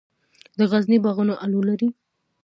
د غزني باغونه الو لري.